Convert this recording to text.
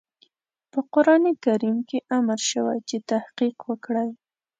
په قرآن کريم کې امر شوی چې تحقيق وکړئ.